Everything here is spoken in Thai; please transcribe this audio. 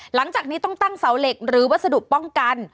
หลังจากนี้ต้องตั้งเสาเหล็กหรือวัสดุป้องกัน